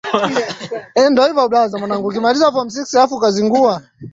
kuimbuka upya kwa ugonjwa wa kipindupindu katika mji mkuu